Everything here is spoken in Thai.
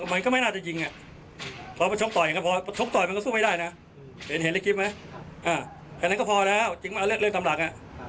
มันก็ไม่น่าจะยิงพอชกต่อยมันก็สู้ไม่ได้แล้วก็พอแล้วจึงเลือกเลือกตามหลัก